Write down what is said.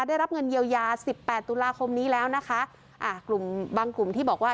ได้รับเงินเยียวยาสิบแปดตุลาคมนี้แล้วนะคะ